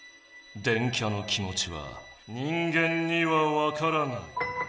電キャの気もちは人間にはわからない。